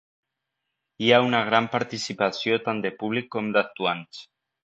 Hi ha una gran participació tant de públic com d'actuants.